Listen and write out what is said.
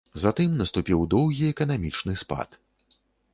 Затым наступіў доўгі эканамічны спад.